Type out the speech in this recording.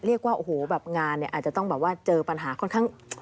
เรียกว่าโอ้โหแบบงานเนี่ยอาจจะต้องแบบว่าเจอปัญหาค่อนข้าง